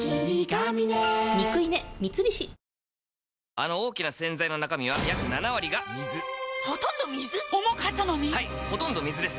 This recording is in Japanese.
あの大きな洗剤の中身は約７割が水ほとんど水⁉重かったのに⁉はいほとんど水です